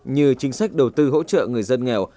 như chính sách đầu tư hỗ trợ người dân nghèo